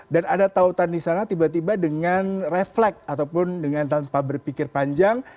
dan ada tautan di sana tiba tiba dengan refleks ataupun dengan tanpa berpikir panjang